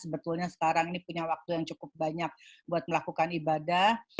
sebetulnya sekarang ini punya waktu yang cukup banyak buat melakukan ibadah